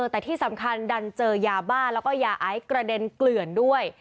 แต่ที่สำคัญดันเจอยาบ้าแล้วก็ยาไอซ์กระเด็นเกลื่อนด้วย